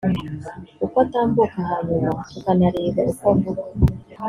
uko atambuka hanyuma tukanareba uko avuga